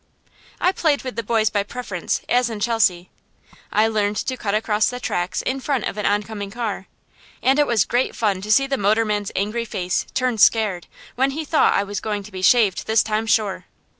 I played with the boys by preference, as in Chelsea. I learned to cut across the tracks in front of an oncoming car, and it was great fun to see the motorman's angry face turn scared, when he thought I was going to be shaved this time sure.